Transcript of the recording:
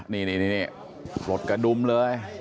นี่ปลดกระดุมเลย